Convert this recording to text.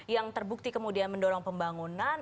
yang terbukti kemudian mendorong pembangunan